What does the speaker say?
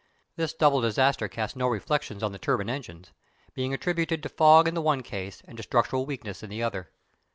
This double disaster casts no reflections on the turbine engines; being attributed to fog in the one case and to structural weakness in the other.